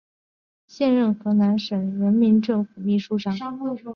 现任河南省人民政府秘书长。